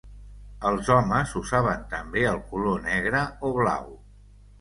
Els homes usaven també el color negre o blau.